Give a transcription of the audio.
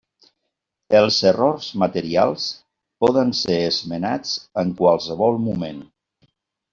Els errors materials poden ser esmenats en qualsevol moment.